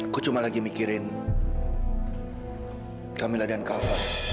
aku cuma lagi mikirin kamilah dan kava